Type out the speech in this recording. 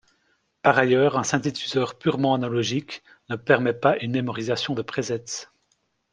Par ailleurs, un synthétiseur purement analogique ne permet pas une mémorisation de presets.